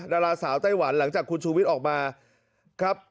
ดาราสาวไต้หวันหลังจากคุณชูวิทย์ออกมาครับ